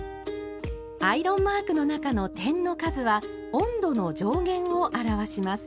アイロンマークの中の点の数は温度の上限を表します。